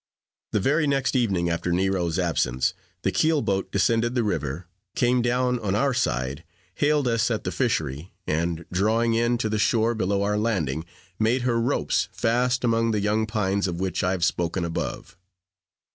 The very next evening after Nero's absence, the keel boat descended the river, came down on our side, hailed us at the fishery, and, drawing in to the shore below our landing, made her ropes fast among the young pines of which I have spoken above.